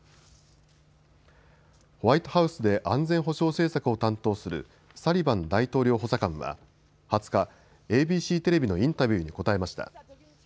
ホワイトハウスで安全保障政策を担当するサリバン大統領補佐官は２０日、ＡＢＣテレビのインタビューに答えました。